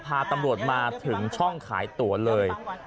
พาตำรวจมาถึงช่องขายตั๋วเลย